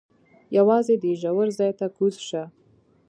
یوازې دې ژور ځای ته کوز شه.